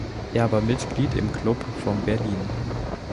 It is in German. Er war Mitglied im Club von Berlin.